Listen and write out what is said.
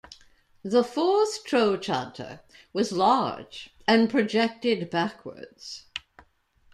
The fourth trochanter was large and projected backwards.